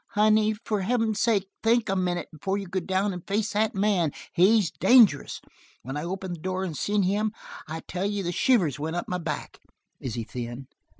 "Honey, for heaven's sake think a minute before you go down and face that man. He's dangerous. When I opened the door and seen him, I tell you the shivers went up my back." "Is he thin?